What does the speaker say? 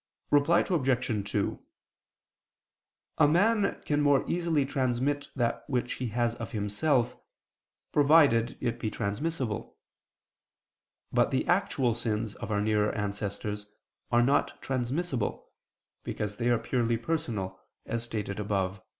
Reply Obj. 2: A man can more easily transmit that which he has of himself, provided it be transmissible. But the actual sins of our nearer ancestors are not transmissible, because they are purely personal, as stated above.